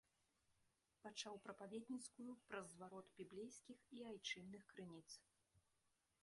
Пачаў прапаведніцкую праз зварот біблейскіх і айчынных крыніц.